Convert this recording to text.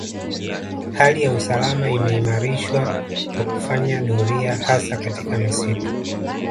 Hali ya usalama imeimarishwa kwa kufanya doria hasa katika misitu